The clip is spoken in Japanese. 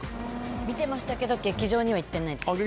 見てましたけど劇場にはいってないです。